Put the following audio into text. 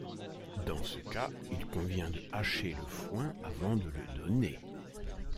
Dans ce cas, il convient de hacher le foin avant de le donner.